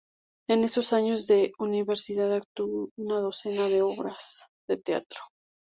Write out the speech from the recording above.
En esos años de universidad actuó en una docena de obras de teatro.